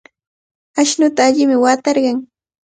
Ashnuta allimi watarqan.